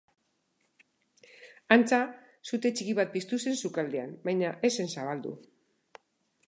Antza, sute txiki bat piztu zen sukaldean, baina ez zen zabaldu.